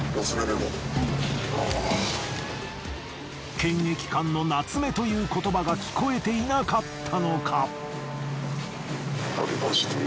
検疫官のナツメという言葉が聞こえていなかったのか。